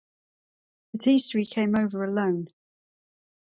At Easter he came over alone.